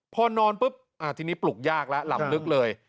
พอนอนปุ๊บทีนี้ปลุกยากแล้วหลับลึกเลย